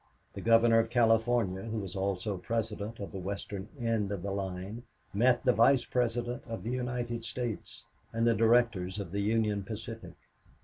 The Governor of California, who was also president of the western end of the line, met the Vice President of the United States and the directors of the Union Pacific.